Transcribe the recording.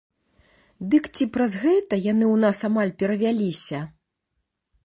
Дык ці праз гэта яны ў нас амаль перавяліся?